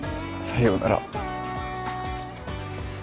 さようなら